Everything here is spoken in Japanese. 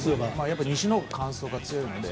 西のほうが乾燥が強いので。